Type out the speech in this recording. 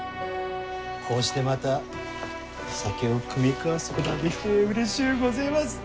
こうしてまた酒を酌み交わすことができてうれしゅうごぜます。